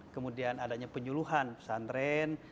kemudian adanya penyuluhan pesantren